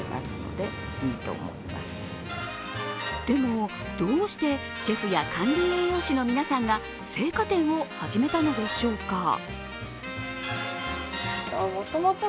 でも、どうしてシェフや管理栄養士の皆さんが青果店を始めたのでしょうか？